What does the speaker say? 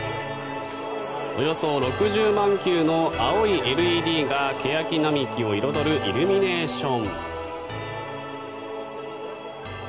およそ６０万球の青いＬＥＤがケヤキ並木を彩るイルミネーション。